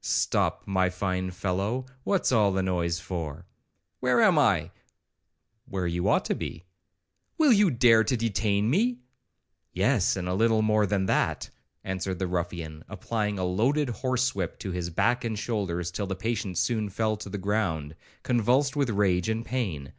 'Stop, my fine fellow, what's all this noise for?' 'Where am I?' 'Where you ought to be.' 'Will you dare to detain me?' 'Yes, and a little more than that,' answered the ruffian, applying a loaded horse whip to his back and shoulders, till the patient soon fell to the ground convulsed with rage and pain.